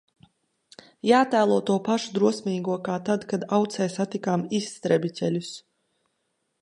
"Jātēlo to pašu drosmīgo, kā tad, kad Aucē satikām "izstrebiķeļus"."